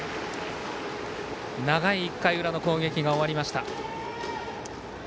長い１回裏の攻撃が終わりました。